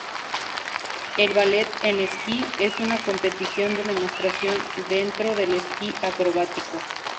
El ballet en esquí es una competición de demostración dentro del esquí acrobático.